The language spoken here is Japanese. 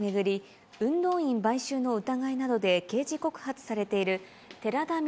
おととしの衆議院選挙を巡り、運動員買収の疑いなどで刑事告発されている寺田稔